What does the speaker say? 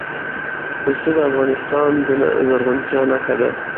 پسه د افغانستان د زرغونتیا نښه ده.